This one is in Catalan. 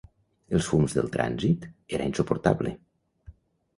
El fums del trànsit era insuportable.